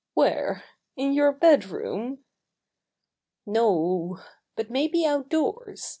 "Where in your bed room?" "No o, but maybe outdoors.